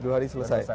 dua hari selesai